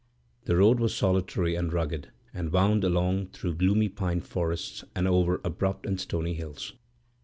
The road was solitary and rugged, and wound along through gloomy pine forests and over abrupt and stony hills.